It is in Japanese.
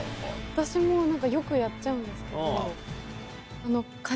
私もよくやっちゃうんですけど。